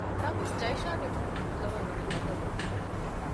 ނަމަވެސް ޖައިޝާގެ މޫނުގެ ކުލަވަރު ވަނީ ބަދަލުވެފަ